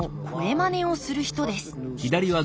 まねをする人です